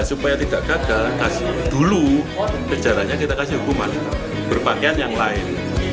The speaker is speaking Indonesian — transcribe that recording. supaya tidak gagal dulu kejarannya kita kasih hukuman berpakaian yang lain